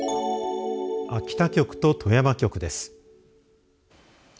秋田局と富山局です。